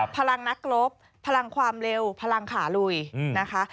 พลังนักรบพลังความเร็วพลังขาลุยนะคะ